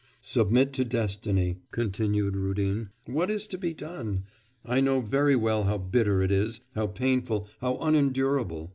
'Submit to destiny,' continued Rudin. 'What is to be done? I know very well how bitter it is, how painful, how unendurable.